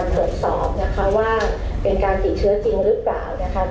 ตรวจสอบนะคะว่าเป็นการติดเชื้อจริงหรือเปล่านะคะ